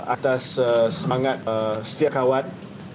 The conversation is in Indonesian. atas semangat setia kawan